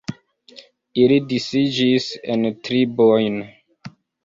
Ili disiĝis en tribojn.